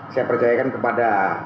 saya percayakan kepada